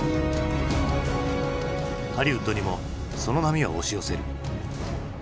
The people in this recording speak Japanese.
ハリウッドにもその波は押し寄せる。